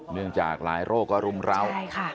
เนื่องจากหลายโรคเริ่มราว